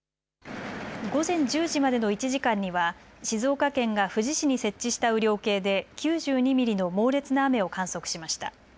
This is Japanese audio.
午前１０時までの１時間には静岡県が富士市に設置した雨量計で９２ミリの猛烈な雨を観測しました。